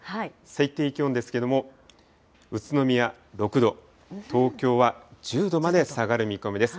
最低気温ですけども、宇都宮６度、東京は１０度まで下がる見込みです。